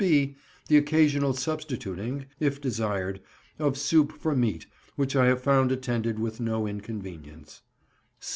(b) The occasional substituting (if desired) of soup for meat, which I have found attended with no inconvenience.